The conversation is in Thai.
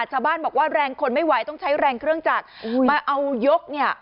ชาวบ้านบอกว่าแรงคนไม่ไหวต้องใช้แรงเครื่องจักรมาเอายกเนี่ย